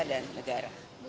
mas alian medara